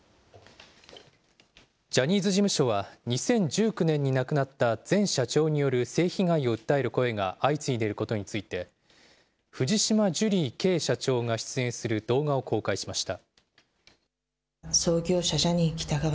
ジャニーズ事務所は、２０１９年に亡くなった前社長による性被害を訴える声が相次いでいることについて、藤島ジュリーＫ．社長が出演する動画を公開しました。